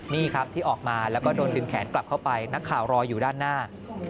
นี่ครับที่ออกมาแล้วก็โดนดึงแขนกลับเข้าไปนักข่าวรออยู่ด้านหน้า